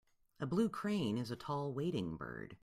A blue crane is a tall wading bird.